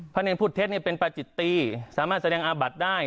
พระเนียนพูดเท้นเนียเป็นประจิตีสามารถแสดงอาบัติได้